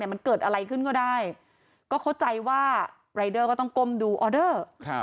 มันเกิดอะไรขึ้นก็ได้ก็เข้าใจว่ารายเดอร์ก็ต้องก้มดูออเดอร์